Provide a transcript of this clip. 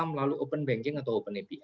melalui open banking atau open